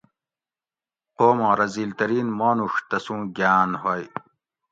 قوماں رزیل ترین مانوڛ تسوں گھاۤن ہوئے